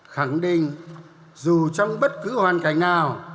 khẳng định dù trong bất cứ hoàn cảnh nào